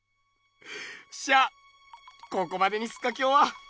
っしゃここまでにすっかきょうは。